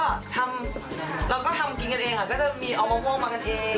ก็ทำแล้วก็ทำกินกันเองก็จะมีเอามะม่วงมากันเอง